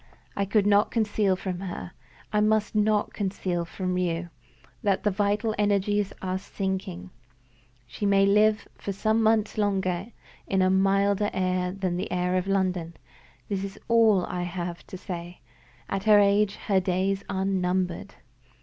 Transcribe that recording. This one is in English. I could not conceal from her I must not conceal from you that the vital energies are sinking. She may live for some months longer in a milder air than the air of London. That is all I can say. At her age, her days are numbered."